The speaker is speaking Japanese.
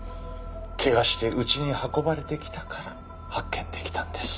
怪我してうちに運ばれてきたから発見できたんです。